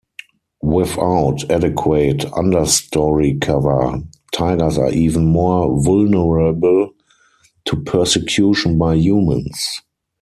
Without adequate understory cover, tigers are even more vulnerable to persecution by humans.